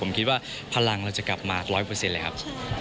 ผมคิดว่าพลังเราจะกลับมาร้อยเปอร์เซ็นต์เลยครับ